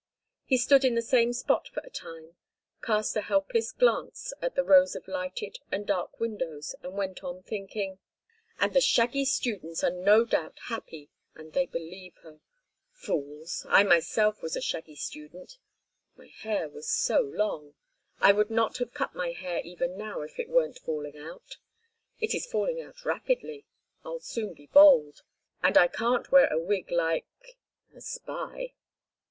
He stood in the same spot for a time, cast a helpless glance at the rows of lighted and dark windows and went on thinking: "And the shaggy students are no doubt happy, and they believe her. Fools! I myself was a shaggy student—my hair was so long! I would not have cut my hair even now if it weren't falling out. It is falling out rapidly. I'll soon be bald. And I can't wear a wig like—a spy."